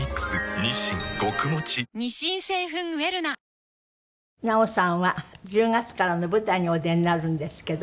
ぷっ事実「特茶」奈緒さんは１０月からの舞台にお出になるんですけど。